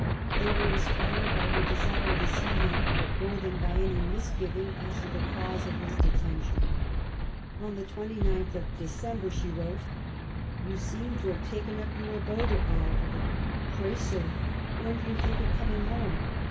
They were inspired by her desire to see him more than by any misgiving as to the cause of his detention. 9 */ 132 MABY W0LL8T0NECBAFT GODWIN. On the 29th of December she wrote :— You seem to have taken np your abode at Havre. Pray, sir I when do you think of coming home